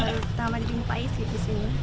terutama di bung paes gitu sini